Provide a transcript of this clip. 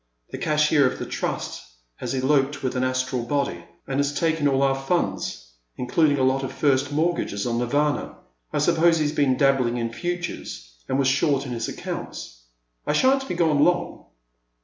The cashier of the Trust has eloped with an Astral body, and has taken all our fiinds, including a lot of first mortgages on Nirvana. I suppose he 's been dabbling in futures, and was short in his accounts. I shan't be gone long."